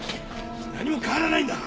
何も変わらないんだ！